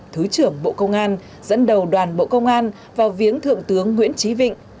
thứ trưởng bộ công an dẫn đầu đoàn bộ công an vào viếng thượng tướng nguyễn trí vịnh